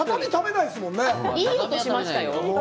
いい音しましたよ。